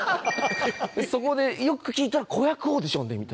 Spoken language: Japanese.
そこでよく聞いたら子役オーディションでみたいな。